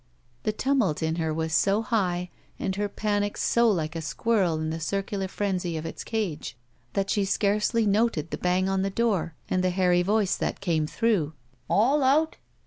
The tumult in her was so high and her panic so like a squirrel in the circular frenzy of its cage that she scarcdy noted the bang on the door and the hairy voice that came through. "All out!"